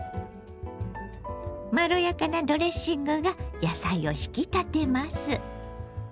まろやかなドレッシングが野菜を引き立てます。